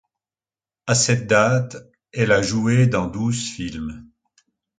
A cette date, elle a joué dans douze films.